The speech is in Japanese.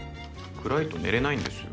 暗いと寝れないんですよ。